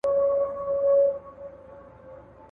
له سياسي استبداد سره مبارزه وکړئ.